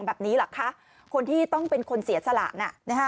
แบบนี้เหรอคะคนที่ต้องเป็นคนเสียสละน่ะ